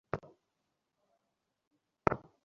Over and out!